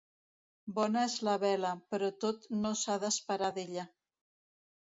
Bona és la vela, però tot no s'ha d'esperar d'ella.